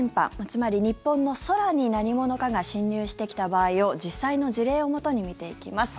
つまり日本の空に何者かが侵入してきた場合を実際の事例をもとに見ていきます。